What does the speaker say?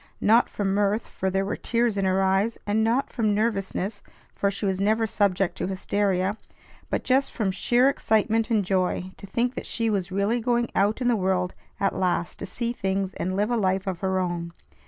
Not from mirth, for there were tears in her eyes; and not from nervousness, for she was never subject to hysteria; but just from sheer excitement and joy to think that she was really going out in the world at last to see things and live a life of her own.